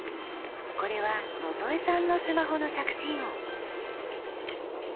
これは野添さんのスマホの着信音。